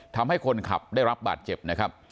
ทำให้คนขับได้รับบาดเจ็บนะครับ